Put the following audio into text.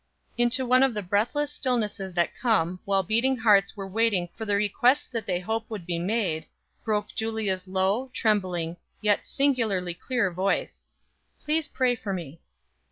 Into one of the breathless stillnesses that came, while beating hearts were waiting for the requests that they hoped would be made, broke Julia's low, trembling, yet singularly clear voice: "Please pray for me."